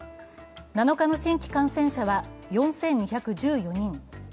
７日の新規感染者は４２１４人。